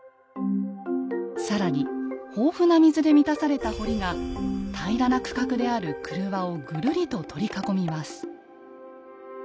更に豊富な水で満たされた堀が平らな区画である曲輪をぐるりと取り囲みます。